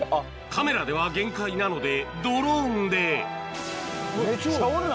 カメラでは限界なのでドローンでめっちゃおるな。